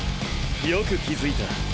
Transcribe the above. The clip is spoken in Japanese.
よく気付いた。